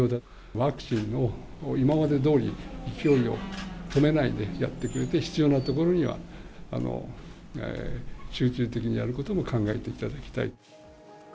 ワクチンを今までどおり、勢いを止めないでやってくれて、必要なところには集中的にやることも考えていただきたい。